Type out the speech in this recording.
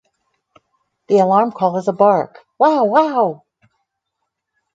The alarm call is a bark, "wow-wow".